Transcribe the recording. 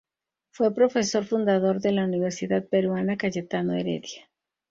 Fue profesor fundador de la Universidad Peruana Cayetano Heredia.